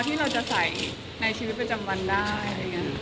พอที่เราจะใส่ในชีวิตประจำวันได้